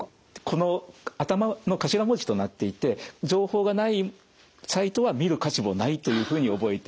この頭の頭文字となっていて情報がないサイトは見る価値もないというふうに覚えていただければと思います。